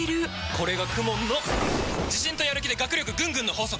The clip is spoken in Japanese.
これがＫＵＭＯＮの自信とやる気で学力ぐんぐんの法則！